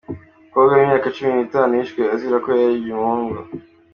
Umukobwa w’imyaka cumi nitanu yishwe azira ko yarebye umuhungu